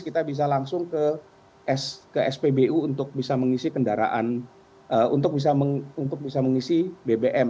kita bisa langsung ke spbu untuk bisa mengisi kendaraan untuk bisa mengisi bbm